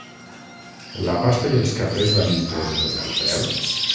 La pasta i els cafès van inclosos en el preu?